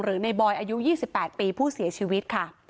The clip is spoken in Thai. ในบอยอายุ๒๘ปีผู้เสียชีวิตค่ะ